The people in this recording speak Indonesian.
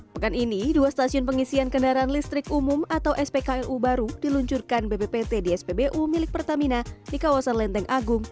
pekan ini dua stasiun pengisian kendaraan listrik umum atau spklu baru diluncurkan bppt di spbu milik pertamina di kawasan lenteng agung